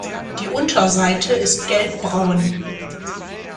Die Unterseite ist gelbbraun.